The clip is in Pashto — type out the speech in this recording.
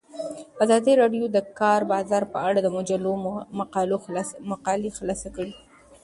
ازادي راډیو د د کار بازار په اړه د مجلو مقالو خلاصه کړې.